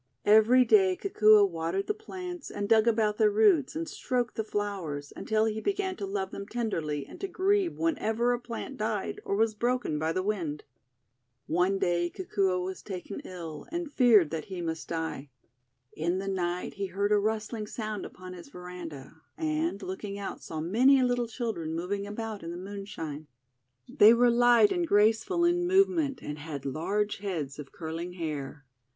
Every day Kikuo watered the plants, and dug about their roots, and stroked the flowers, until he began to love them tenderly and to grieve 48 THE WONDER GARDEN whenever a plant died or was broken by the wind. One day Kikuo was taken ill, and feared that lie must die. In the night he heard a rustling sound upon his veranda, and, looking out, saw many little children moving about in the moon shine. They were light and graceful in move ment, and had large heads of curling hair.